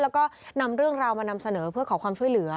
แล้วก็นำเรื่องราวมานำเสนอเพื่อขอความช่วยเหลือ